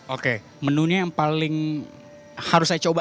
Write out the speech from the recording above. oke menunya yang paling harus saya coba